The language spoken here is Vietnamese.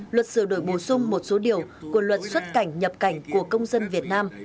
luật sửa đổi bổ sung một số điều của luật xuất cảnh nhập cảnh của công dân việt nam